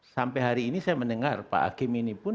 sampai hari ini saya mendengar pak hakim ini pun